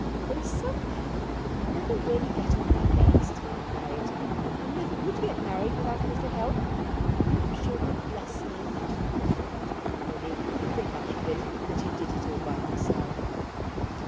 There are some men who never really get on their legs till they're married, and never would get married without a little help. I'm sure he'll bless me, or would do, only he'll think after a bit that he did it all by himself.